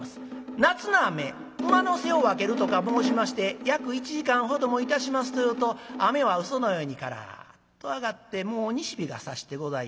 「夏の雨馬の背を分ける」とか申しまして約１時間ほどもいたしますというと雨はうそのようにカラッと上がってもう西日がさしてございます。